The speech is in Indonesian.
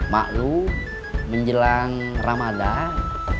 maklum menjelang ramadhan